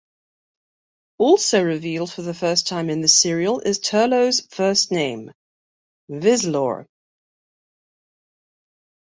Also revealed for the first time in this serial is Turlough's first name, Vislor.